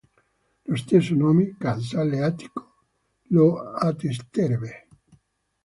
Lo stesso nome, "Casale Attico", lo attesterebbe.